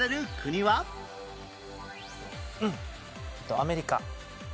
アメリカ。